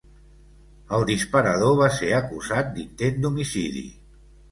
El disparador va ser acusat d'intent d'homicidi.